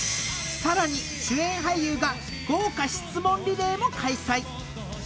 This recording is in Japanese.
［さらに主演俳優が豪華質問リレーも開催］